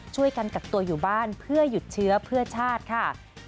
ช่วยกันกักตัวอยู่บ้านเพื่อหยุดเชื้อเพื่อชาติค่ะ